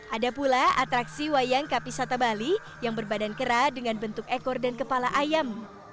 ada pula atraksi wayang kapisata bali yang berbadan kera dengan bentuk ekor dan kepala ayam